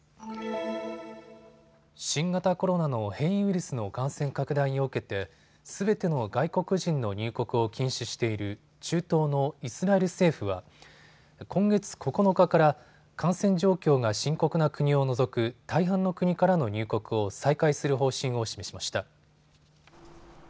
新型コロナの変異ウイルスの感染拡大を受けてすべての外国人の入国を禁止している中東のイスラエル政府は今月９日から感染状況が深刻な国を除く大半の国からの入国を再開する方針を示しました。